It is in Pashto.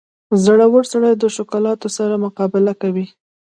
• زړور سړی د مشکلاتو سره مقابله کوي.